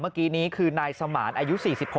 เมื่อกี้นี้คือนายสมานอายุ๔๖